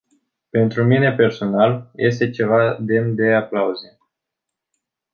Pentru mine personal, este ceva demn de aplauze.